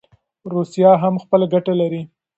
روسیه هم خپلي ګټي لري.